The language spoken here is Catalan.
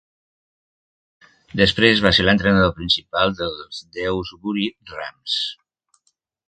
Després va ser l'entrenador principal dels Dewsbury Rams.